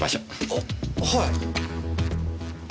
あっはい。